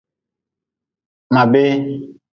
Ma bee.